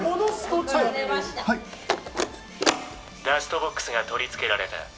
「ダストボックスが取り付けられた。